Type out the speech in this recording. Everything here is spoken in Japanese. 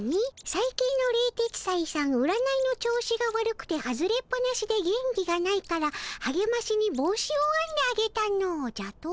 「さい近の冷徹斎さん占いの調子が悪くて外れっぱなしで元気がないからはげましに帽子をあんであげたの」じゃと？